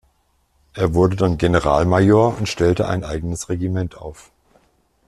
Er wurde dann Generalmajor und stellte ein eigenes Regiment auf.